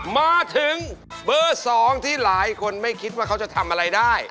มาถึงเบอร์๒ที่หลายคนไม่คิดว่าเขาจะทำอะไรได้